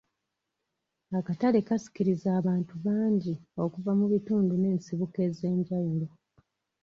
Akatale kasikiriza abantu bangi okuva mu bitundu n'esibuko ez'enjawulo